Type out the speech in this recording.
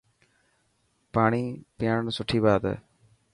ٽاڻي پياڻڻ سٺي بات هي.